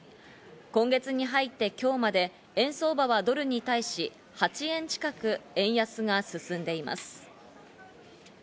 今月に入って今日まで円相場はドルに対し８円近く円安が進んでいます。